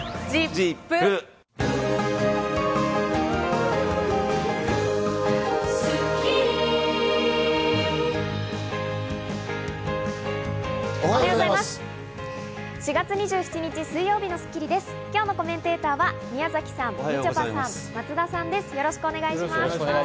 今日のコメンテーターの皆さんです。